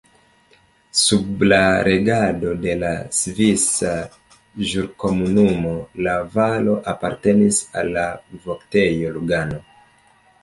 Sub la regado de la Svisa Ĵurkomunumo la valo apartenis al la Voktejo Lugano.